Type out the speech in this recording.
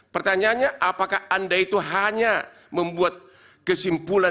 pertanyaannya apakah anda itu hanya membuat kesimpulan